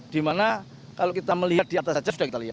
dimana kalau kita melihat di atas saja sudah kita lihat